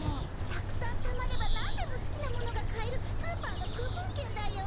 たくさんたまればなんでもすきなものが買えるスーパーのクーポンけんだよ。